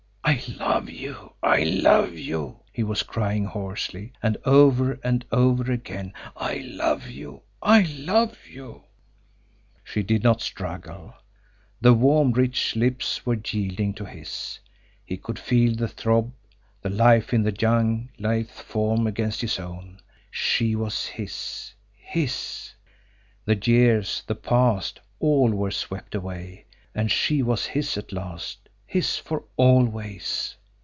"I love you! I love you!" he was crying hoarsely; and over and over again: "I love you! I love you!" She did not struggle. The warm, rich lips were yielding to his; he could feel the throb, the life in the young, lithe form against his own. She was his his! The years, the past, all were swept away and she was his at last his for always.